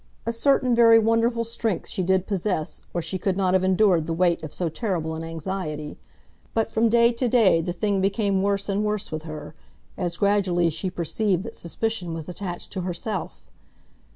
A certain very wonderful strength she did possess, or she could not have endured the weight of so terrible an anxiety; but from day to day the thing became worse and worse with her, as gradually she perceived that suspicion was attached to herself.